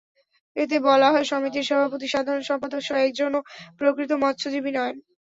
এতে বলা হয়, সমিতির সভাপতি, সাধারণ সম্পাদকসহ একজনও প্রকৃত মৎস্যজীবী নন।